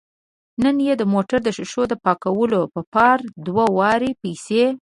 نن یې د موټر د ښیښو د پاکولو په پار دوه واره پیسې